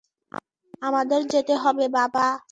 আমাদের যেতে হবে, বাবা।